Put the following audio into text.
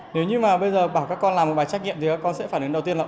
nếu như mà bây giờ bảo các con làm một bài trắc nghiệm thì các con sẽ phản ứng đầu tiên là